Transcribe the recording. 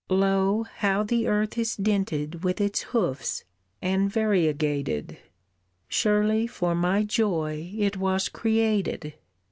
Lo, how the earth is dinted with its hoofs, And variegated. Surely for my joy It was created.